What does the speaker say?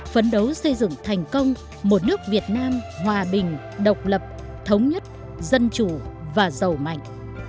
phấn đấu xây dựng thành công một nước việt nam hòa bình độc lập thống nhất dân chủ và giàu mạnh